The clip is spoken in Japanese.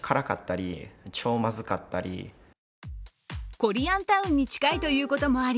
コリアンタウンに近いということもあり